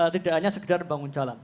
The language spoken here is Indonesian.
tidak hanya sekedar bangun jalan